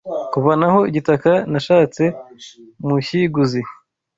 kuvanaho igitaka nashatse mushyiguzi